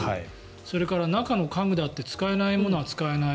それから中の家具だって使えないものは使えない。